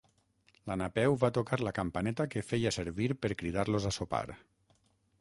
La Napeu va tocar la campaneta que feia servir per cridar-los a sopar.